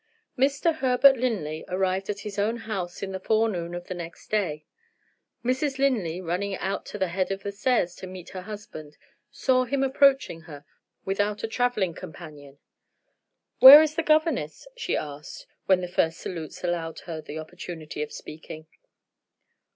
Mr. Herbert Linley arrived at his own house in the forenoon of the next day. Mrs. Linley, running out to the head of the stairs to meet her husband, saw him approaching her without a traveling companion. "Where is the governess?" she asked when the first salutes allowed her the opportunity of speaking.